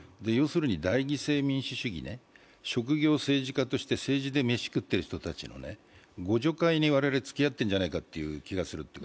代議制民主主義、職業政治家として政治で飯を食っている人たちの互助会に我々、つきあっているんじゃないかという気がするんです。